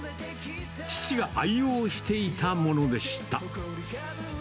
父が愛用していたものでした。